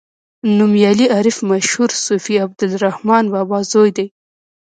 نومیالی عارف مشهور صوفي عبدالرحمان بابا زوی دی.